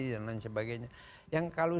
dan lain sebagainya yang kalau